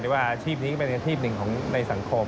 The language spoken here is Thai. ว่าอาชีพนี้ก็เป็นอาชีพหนึ่งของในสังคม